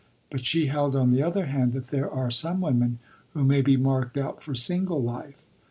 But she held, on the other hand, that there are some women who may be marked out for single life.